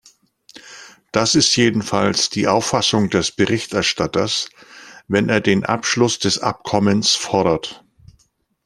Das ist jedenfalls die Auffassung des Berichterstatters, wenn er den Abschluss des Abkommens fordert.